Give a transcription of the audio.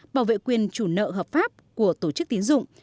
bảo vệ quyền chủ nợ hợp pháp của tổ chức tín dụng